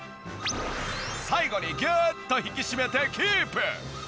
最後にギューッと引き締めてキープ。